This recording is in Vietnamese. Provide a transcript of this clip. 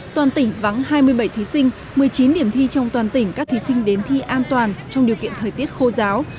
toàn tỉnh vắng hai mươi bảy thí sinh một mươi chín điểm thi trong toàn tỉnh các thí sinh đến thi an toàn trong điều kiện thời tiết khô giáo